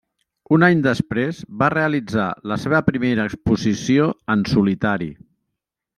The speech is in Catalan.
Un any després va realitzar la seva primera exposició en solitari.